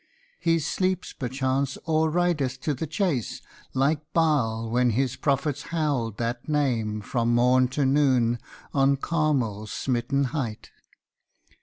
'He sleeps perchance, or rideth to the chase, Like Baal, when his prophets howled that name From morn to noon on Carmel's smitten height.